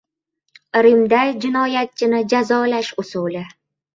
Rimda jinoyatchini jazolash usuli